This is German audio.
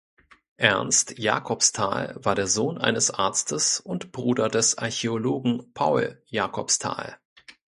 Ernst Jacobsthal war der Sohn eines Arztes und Bruder des Archäologen Paul Jacobsthal.